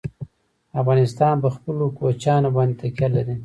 افغانستان په خپلو کوچیانو باندې تکیه لري.